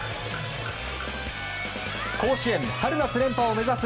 甲子園、春夏連覇を目指す